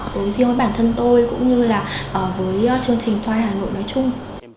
đối với riêng với bản thân tôi cũng như là với chương trình thoai hà nội nói chung